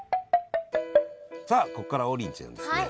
さあここからは王林ちゃんですね